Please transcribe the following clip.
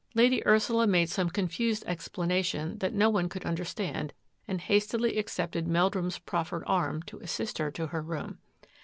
Lady Ursula made some confused ex planation that no one could understand, and hastily accepted Meldrum's proffered arm to assist her to her room.